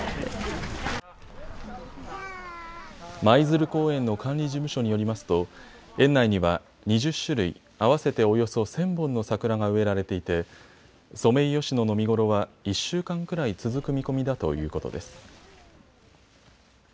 舞鶴公園の管理事務所によりますと園内には２０種類、合わせておよそ１０００本の桜が植えられていてソメイヨシノの見頃は１週間くらい続く見込みだということです。